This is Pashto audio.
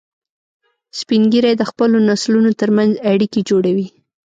سپین ږیری د خپلو نسلونو تر منځ اړیکې جوړوي